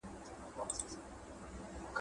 ډاکټران د ناروغۍ علت پیدا کوي.